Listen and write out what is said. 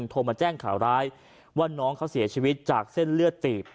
โทรมาแจ้งข่าวร้ายว่าน้องเขาเสียชีวิตจากเส้นเลือดตีบ